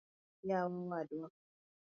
yawa owadwa